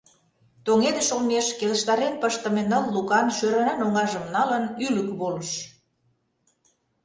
Тоҥедыш олмеш келыштарен пыштыме ныл лукан, шӧрынан оҥажым налын, ӱлык волыш.